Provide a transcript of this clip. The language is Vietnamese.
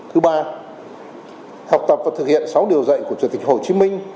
thứ ba học tập và thực hiện sáu điều dạy của chủ tịch hồ chí minh